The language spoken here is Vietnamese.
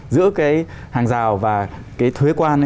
giữa cái hàng rào và cái thuế quan